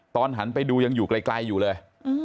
ตอนหันไปดูยังอยู่ไกลอยู่เลย